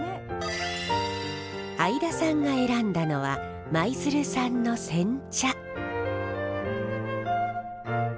相田さんが選んだのは舞鶴産の煎茶。